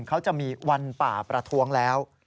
เขาจะมีวันป่าประท้วงแล้ว